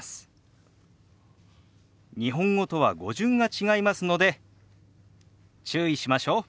日本語とは語順が違いますので注意しましょう。